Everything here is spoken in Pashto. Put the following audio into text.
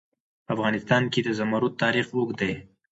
په افغانستان کې د زمرد تاریخ اوږد دی.